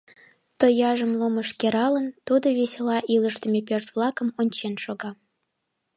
Тояжым лумыш кералын, тудо весела илышдыме пӧрт-влакым ончен шога.